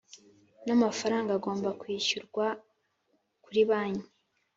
N amafaranga agomba kwishyurwa kuri banki